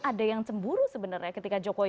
ada yang cemburu sebenarnya ketika jokowi